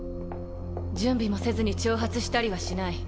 準備もせずに挑発したりはしない。